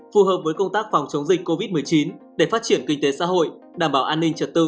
phù hợp với công tác phòng chống dịch covid một mươi chín để phát triển kinh tế xã hội đảm bảo an ninh trật tự